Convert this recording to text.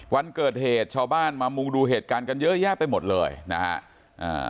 วันเกิดเหตุชาวบ้านมามุงดูเหตุการณ์กันเยอะแยะไปหมดเลยนะฮะอ่า